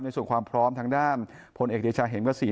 ส่วนความพร้อมทางด้านพลเอกเดชาเห็มกศรี